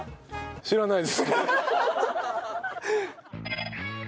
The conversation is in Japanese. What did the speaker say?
知らないです。